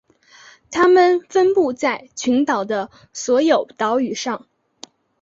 它们分布在群岛的所有岛屿上。